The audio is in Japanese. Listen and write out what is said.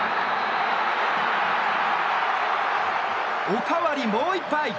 おかわりもう１杯！